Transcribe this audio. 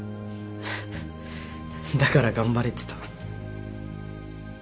だから頑張れてた。